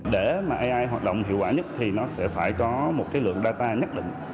để mà ai hoạt động hiệu quả nhất thì nó sẽ phải có một cái lượng data nhất định